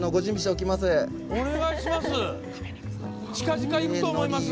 お願いします！